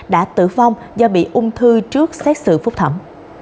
đã tử vong do bị ung thư trước xét xử phúc thẩm